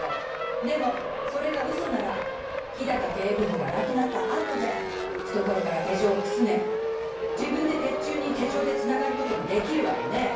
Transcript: でもそれがウソなら氷高警部補が亡くなった後で懐から手錠をくすね自分で鉄柱に手錠で繋がることもできるわよね？